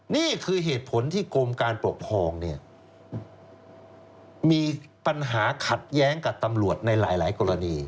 นี่คือเหตุผลที่กรมการปกครองเนี่ยมีปัญหาขัดแย้งกับตำรวจในหลายกรณี